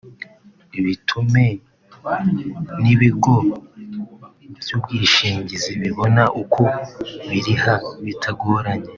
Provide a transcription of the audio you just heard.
bitume n’ibigo by’ubwishingizi bibona uko biriha bitagoranye